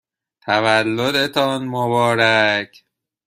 تولدتان مبارک!